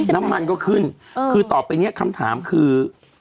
น้ำมันก็ขึ้นถ้าคำถามคือ